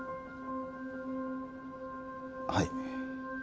はい。